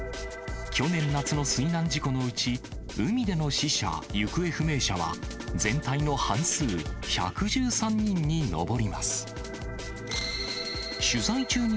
去年夏の水難事故のうち、海での死者・行方不明者は、全体の半数、１１３人に上ります。